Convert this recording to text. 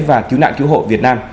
và cứu nạn cứu hộ việt nam